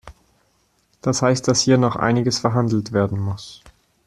Das heißt, dass hier noch einiges verhandelt werden muss.